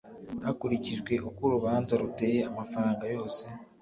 hakurikijwe uko urubanza ruteye amafaranga yose